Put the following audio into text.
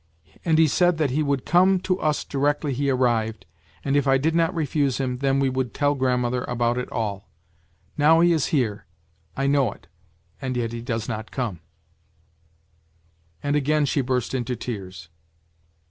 ... And he said that he would come to us directly he arrived, and if I did not refuse him, then we would tell grandmother about it all. Now he is here, I know it, and yet he does not come 1 " And again she burst into tears.